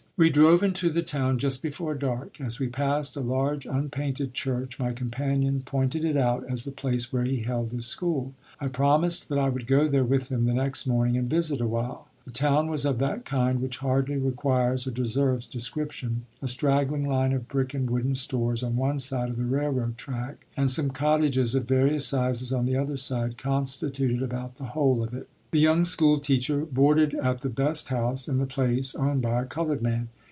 We drove into the town just before dark. As we passed a large, unpainted church, my companion pointed it out as the place where he held his school. I promised that I would go there with him the next morning and visit awhile. The town was of that kind which hardly requires or deserves description; a straggling line of brick and wooden stores on one side of the railroad track and some cottages of various sizes on the other side constituted about the whole of it. The young school teacher boarded at the best house in the place owned by a colored man.